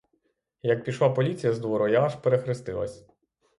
Як пішла поліція з двору, я аж перехрестилась.